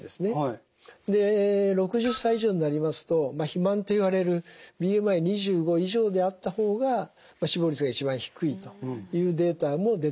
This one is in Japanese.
で６０歳以上になりますと肥満といわれるＢＭＩ２５以上であった方が死亡率が一番低いというデータも出ています。